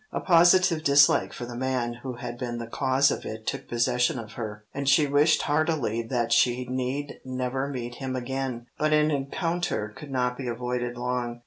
A positive dislike for the man who had been the cause of it took possession of her, and she wished heartily that she need never meet him again. But an encounter could not be avoided long.